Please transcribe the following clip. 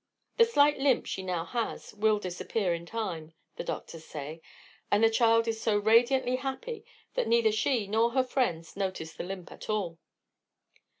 The slight limp she now has will disappear in time, the doctors say, and the child is so radiantly happy that neither she nor her friends notice the limp at all.